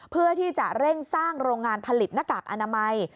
เพื่อที่จะเร่งสร้างโรงงานผลิตหน้ากากอนามัย